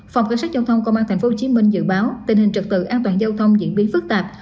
phòng cảnh sát giao thông công an tp hcm dự báo tình hình trực tự an toàn giao thông diễn biến phức tạp